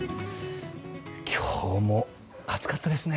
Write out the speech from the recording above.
今日も暑かったですね。